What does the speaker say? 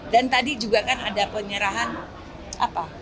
dan tadi juga kan ada penyerahan apa